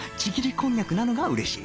こんにゃくなのが嬉しい